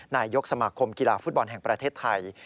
นายกสมาคมกีฬาฟุตบอลแห่งประเทศไทย